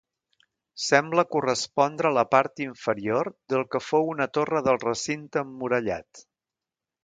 Sembla correspondre a la part inferior del que fou una torre del recinte emmurallat.